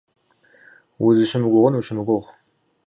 Узыщымыгугъын ущымыгугъ.